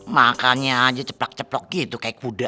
makannya aja ceplak ceplok gitu kayak kuda